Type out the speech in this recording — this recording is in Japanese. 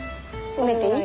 埋めていい。